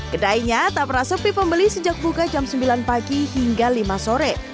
kedainya tak pernah sepi pembeli sejak buka jam sembilan pagi hingga lima sore